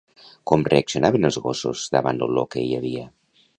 Com reaccionaven els gossos davant l'olor que hi havia?